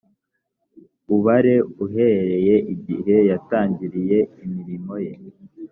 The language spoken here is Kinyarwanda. ubare uhereye igihe yatangiriye imirimo ye .